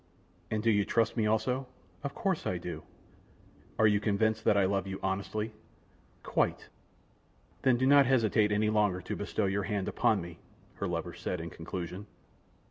"And do you trust me also?" "Of course I do." "Are you convinced that I love you honestly?" "Quite." "Then do not hesitate any longer to bestow your hand upon me," her lover said, in conclusion.